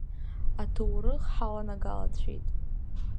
Аҭоурых ҳаланагалацәеит!